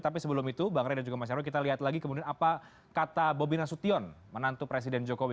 tapi sebelum itu bang ray dan juga mas nyarwi kita lihat lagi kemudian apa kata bobi nasution menantu presiden jokowi